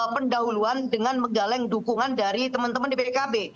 pendahuluan dengan menggaleng dukungan dari teman teman di pkb